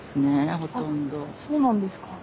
あっそうなんですか。